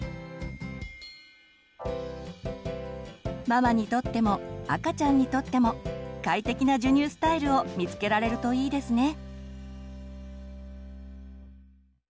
ママにとっても赤ちゃんにとっても快適な授乳スタイルを見つけられるといいですね。